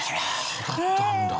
そうだったんだ。